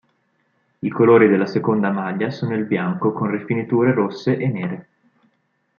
I colori della seconda maglia sono il bianco con rifiniture rosse e nere.